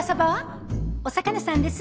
お魚さんです。